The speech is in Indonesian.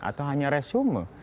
atau hanya resume